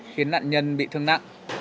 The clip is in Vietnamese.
khiến nạn nhân bị thương nặng